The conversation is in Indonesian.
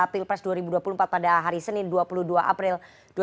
pilpres dua ribu dua puluh empat pada hari senin dua puluh dua april